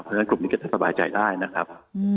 เพราะฉะนั้นกลุ่มนี้ก็จะสบายใจได้นะครับ